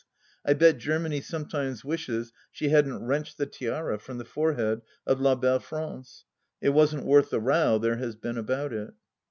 I bet Germany sometimes wishes she hadn't wrenched the tiara from the forehead of La Belle France. It wasn't worth the row there has been about it.